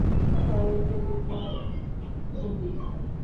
হয় এ দিক, নয় ও দিক।